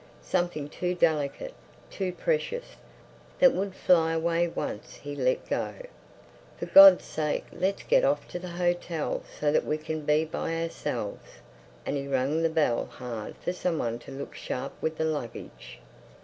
Something too delicate, too precious, that would fly away once he let go. "For God's sake let's get off to the hotel so that we can be by ourselves!" And he rang the bell hard for some one to look sharp with the luggage.